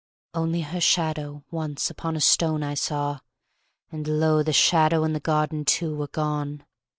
Only her shadow once upon a stone I saw, and, lo, the shadow and the garden, too, were gone.